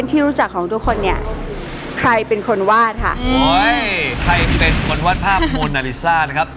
ตัดข้อสี่ครับ